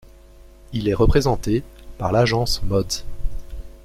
Il est représenté par l'Agence Modds.